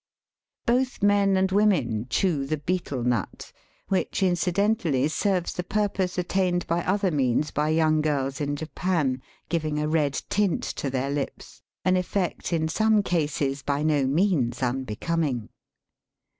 Both men and women chew the betel nut, which incidentally serves the purpose attained by other means by young girls in Japan, giving a red tint to their lips, an effect in some cases by no means unbecoming.